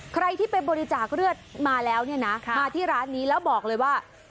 ใครที่ไปบริจาคเลือดมาแล้วเนี่ยนะมาที่ร้านนี้แล้วบอกเลยว่า